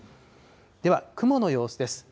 では、雲の様子です。